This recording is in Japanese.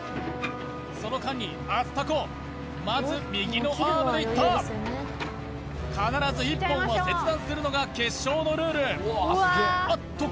その間にアスタコまず右のアームでいった必ず１本は切断するのが決勝のルールあっと